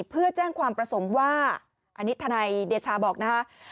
เพื่อแจ้งความประสงค์ว่าอันนี้ทนายเดชาบอกนะคะ